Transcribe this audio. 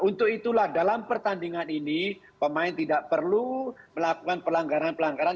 untuk itulah dalam pertandingan ini pemain tidak perlu melakukan pelanggaran pelanggaran